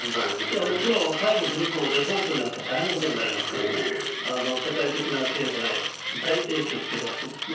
もちろん債務不履行、デフォルトになったら大変なことになりますから、世界的な経済大影響を受けるわけですね。